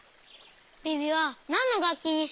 ビビはなんのがっきにしたの？